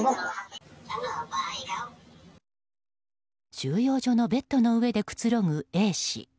収容所のベッドの上でくつろぐＡ氏。